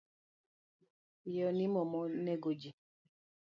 Yie onimo mo negoji.